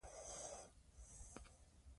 خلک له برېښنا کمښت شکایت کوي.